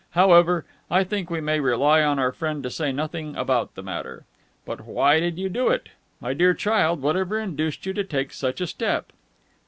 However, I think, we may rely on our friend to say nothing about the matter.... But why did you do it? My dear child, whatever induced you to take such a step?"